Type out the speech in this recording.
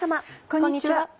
こんにちは。